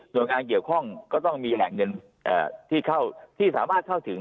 ส่วนงานเกี่ยวข้องก็ต้องมีแหล่งเงินที่สามารถเข้าถึง